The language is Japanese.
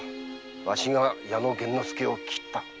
わしが矢野玄之介を斬った。